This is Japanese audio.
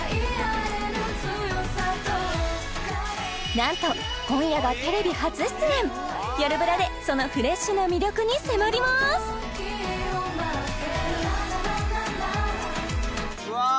なんと今夜がテレビ初出演「よるブラ」でそのフレッシュな魅力に迫りますうわ！